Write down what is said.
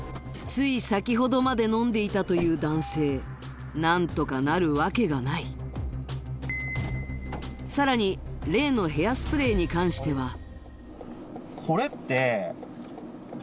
つい先ほどまで飲んでいたという男性何とかなるわけがないさらに例のヘアスプレーに関してはあ